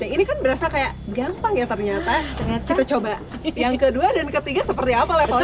ini kan berasa kayak gampang ya ternyata kita coba yang kedua dan ketiga seperti apa levelnya